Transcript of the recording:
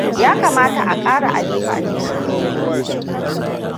Ya kamata a kara Aliko a cikin jerin.